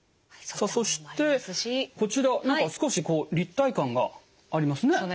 さあそしてこちら何か少し立体感がありますね。